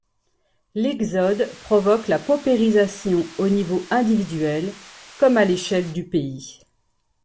L'exode provoque la paupérisation au niveau individuel, comme à l'échelle du pays.